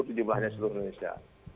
tujuh belahnya seluruh indonesia